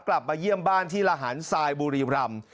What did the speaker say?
กลับมาเยี่ยมบ้านที่ระหารทรายบุรีรำ